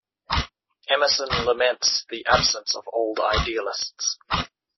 Emerson laments the absence of old idealists.